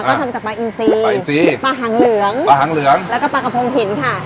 ก็ทำจากปลาอินซีปลาอินซีปลาหังเหลืองปลาหังเหลืองแล้วก็ปลากระพงหินค่ะ